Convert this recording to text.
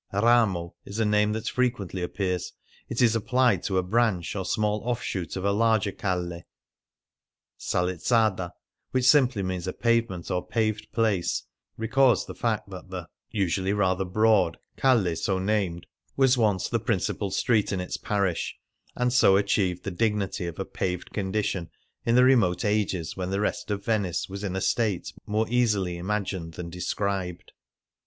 Ramo is a name that frequently appears ; it is applied to a " branch," or small offshoot, of a larger calle. Salizzada, which simply means a pavement or paved place, records the fact that the 86 Venice on Foot (usually rather broad) calle so named was once the principal street in its parish, and so achieved the dignity of a paved condition in the remote ao es when the rest of Venice was in a state more easily imagined than described.